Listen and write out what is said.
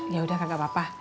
yaudah kakak apa apa